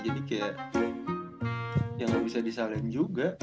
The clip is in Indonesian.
jadi kayak ya gak bisa di salin juga